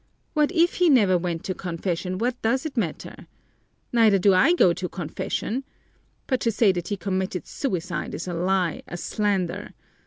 What if he never went to confession, what does that matter? Neither do I go to confession! But to say that he committed suicide is a lie, a slander!